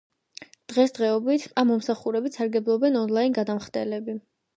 დღეს დღეობით ამ მომსახურებით სარგებლობენ ონლაინ გადამხდელები.